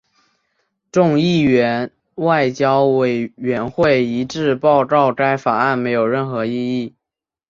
众议院外交委员会一致报告该法案没有任何意义。